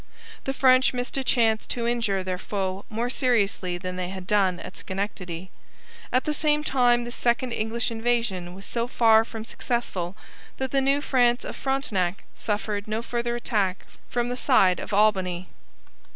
The French missed a chance to injure their foe more seriously than they had done at Schenectady. At the same time, this second English invasion was so far from successful that the New France of Frontenac suffered no further attack from the side of Albany.